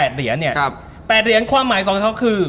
๘เหรียญความหมายของเขาคือ